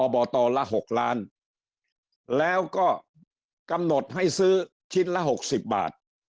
บตละ๖ล้านแล้วก็กำหนดให้ซื้อชิ้นละ๖๐บาท